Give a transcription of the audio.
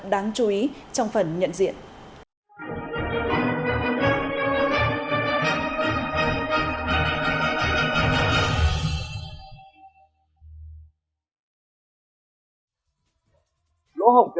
đáng chú ý trong phần nhận diện